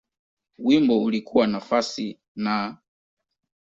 Wimbo ulikuwa nafasi Na.